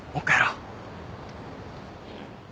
うん。